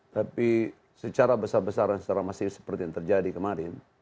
tapi secara besar besaran secara masif seperti yang terjadi kemarin